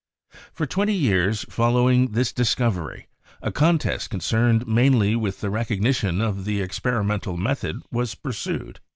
For twenty years following this discovery a contest concerned mainly with the recognition of the experimental method was pursued.